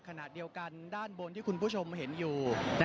ขณะเดียวกันด้านบนที่คุณผู้ชมเห็นอยู่